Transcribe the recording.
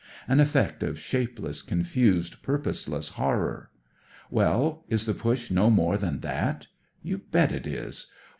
An effect of shapeless, confused, purposeless horror. WeU, is the Push no more than that ? You bet it is.